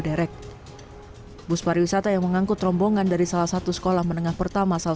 derek bus pariwisata yang mengangkut rombongan dari salah satu sekolah menengah pertama asal